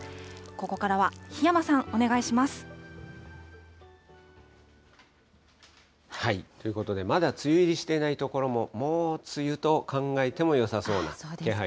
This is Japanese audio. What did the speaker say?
ここからは檜山さん、お願いしまということで、まだ梅雨入りしていない所も、もう梅雨と考えてもよさそうな気配です。